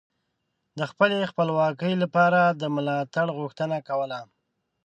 د خپلې خپلواکۍ لپاره د ملاتړ غوښتنه کوله